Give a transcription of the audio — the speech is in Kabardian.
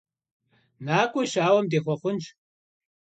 Nak'ue şauem dêxhuexhunş!